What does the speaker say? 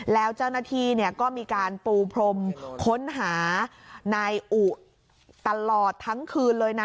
แล้วเจ้าหน้าที่ก็มีการปูพรมค้นหานายอุตลอดทั้งคืนเลยนะ